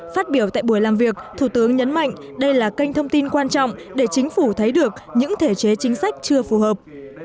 phát biểu tại buổi làm việc thủ tướng nhấn mạnh đây là kênh thông tin quan trọng để chính phủ thấy được những thể chế chính sách chưa phù hợp